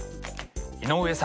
井上さん